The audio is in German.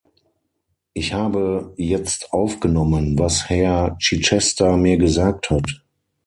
Ich habe jetzt aufgenommen, was Herr Chichester mir gesagt hat.